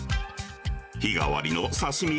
日替わりの刺身